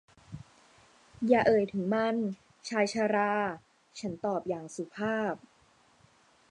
อย่าเอ่ยถึงมัน ชายชรา ฉันตอบอย่างสุภาพ